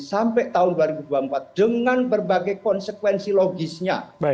sampai tahun dua ribu dua puluh empat dengan berbagai konsekuensi logisnya